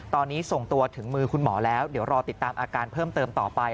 ตอนนี้ส่งตัวถึงมือคุณหมอแล้วเดี๋ยวรอติดตามอาการเพิ่มเติมต่อไป